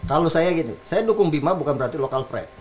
kalau saya gini saya dukung bima bukan berarti local pret